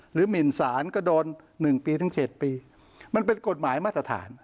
หรือหมินสารก็โดนหนึ่งปีถึงเจ็ดปีมันเป็นกฎหมายมาตรฐาน